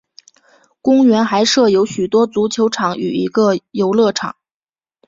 公园还设有许多足球场与一个游乐场。